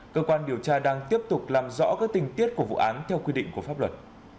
cơ quan điều tra đang tiếp tục làm rõ các tình tiết của vụ án theo quy định của pháp luật